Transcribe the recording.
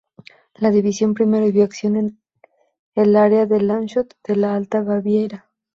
La división primero vio acción en el área de Landshut de la Alta Baviera.